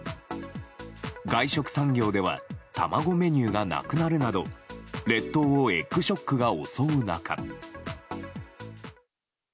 外食産業では卵メニューがなくなるなど列島をエッグショックが襲う中。